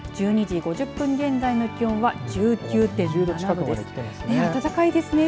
１２時５０分現在の気温は１９．７度です。